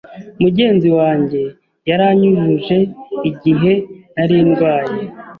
Mugenzi wanjye yaranyujuje igihe nari ndwaye.